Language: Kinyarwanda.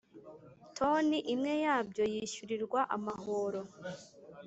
Toni imwe yabyo yishyurirwa amahoro